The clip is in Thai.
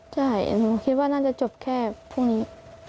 ใช่หนูคิดว่าน่าจะจบแค่พรุ่งนี้